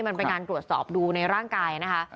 มันเป็นการตรวจสอบดูในร่างกายนะคะ